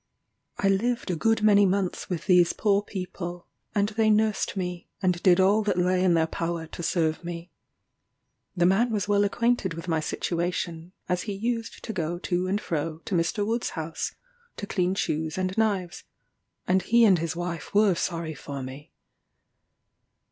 I lived a good many months with these poor people, and they nursed me, and did all that lay in their power to serve me. The man was well acquainted with my situation, as he used to go to and fro to Mr. Wood's house to clean shoes and knives; and he and his wife were sorry for me.